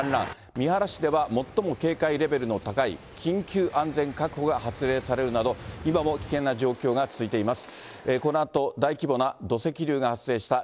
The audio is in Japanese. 三原市では最も警戒レベルの高い緊急安全確保が発令されるなど、今も危険な状況が続いています。